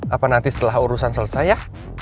apa nanti setelah urusan selesai ya